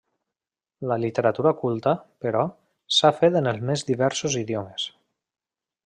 La literatura culta, però, s'ha fet en els més diversos idiomes.